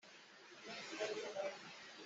Rua kan den i vam chonnak ah kan per ter.